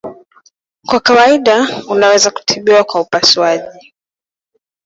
Kwa kawaida unaweza kutibiwa kwa upasuaji.